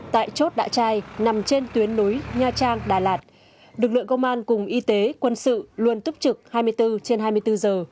tại chốt đạ trai nằm trên tuyến núi nha trang đà lạt lực lượng công an cùng y tế quân sự luôn túc trực hai mươi bốn trên hai mươi bốn giờ